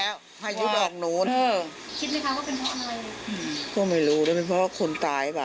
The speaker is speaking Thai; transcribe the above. ก็ไม่รู้นะเพราะว่าคนตายหรือเปล่า